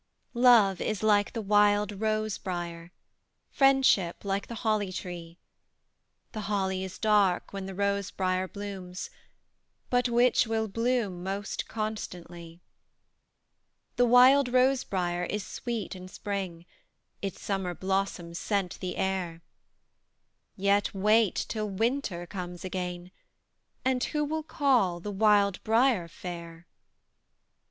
Love is like the wild rose briar; Friendship like the holly tree. The holly is dark when the rose briar blooms, But which will bloom most constantly? The wild rose briar is sweet in spring, Its summer blossoms scent the air; Yet wait till winter comes again, And who will call the wild briar fair?